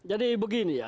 jadi begini ya